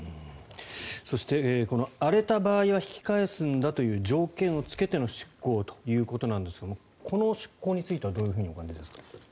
そして、荒れた場合は引き返すんだという条件をつけての出航ということなんですがこの出航についてはどうお感じですか。